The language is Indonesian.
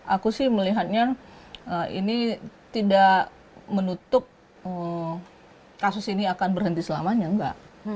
aku sih melihatnya ini tidak menutup kasus ini akan berhenti selamanya enggak